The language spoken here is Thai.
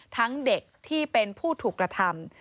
ทั้งเด็กที่เป็นผู้ถูกกระทำ